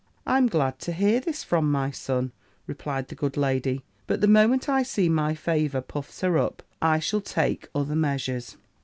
"'I'm glad to hear this from my son,' replied the good lady. 'But the moment I see my favour puffs her up, I shall take other measures.'